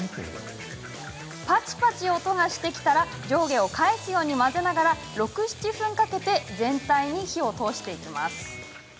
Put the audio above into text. パチパチ音がしてきたら上下を返すように混ぜながら６、７分かけて全体に火を通していきます。